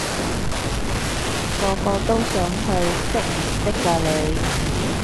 個個都想去，識唔識㗎你？